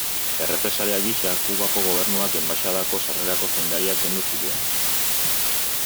Errepresalia gisa, Kubako gobernuak enbaxadako sarrerako zaindariak kendu zituen.